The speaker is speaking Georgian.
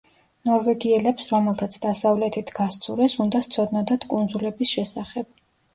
ნორვეგიელებს, რომელთაც დასავლეთით გასცურეს, უნდა სცოდნოდათ კუნძულების შესახებ.